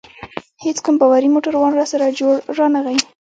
هیڅ کوم باوري موټروان راسره جوړ رانه غی.